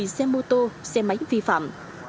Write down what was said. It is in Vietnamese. một mươi xe mô tô xe máy vi phạm